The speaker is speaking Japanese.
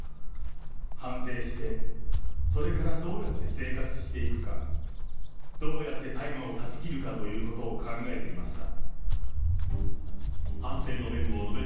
反省して、それからどうやって生活していくか、どうやって大麻を断ち切るかということを考えていました。